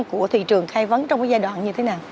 của thị trường khai vấn trong cái giai đoạn như thế nào